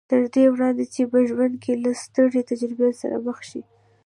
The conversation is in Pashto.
تر دې وړاندې چې په ژوند کې له سترې تجربې سره مخ شي